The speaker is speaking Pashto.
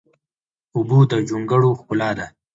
اوبه د جونګړو ښکلا ده.